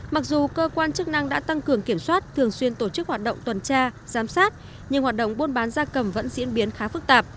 mặc dù cơ quan chức năng đã tăng cường kiểm soát thường xuyên tổ chức hoạt động tuần tra giám sát nhưng hoạt động buôn bán gia cầm vẫn diễn biến khá phức tạp